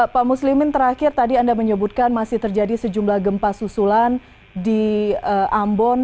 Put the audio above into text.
pak muslimin terakhir tadi anda menyebutkan masih terjadi sejumlah gempa susulan di ambon